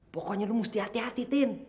pokoknya lu mesti hati hati tim